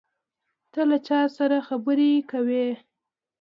ته له چا سره خبرې کولې؟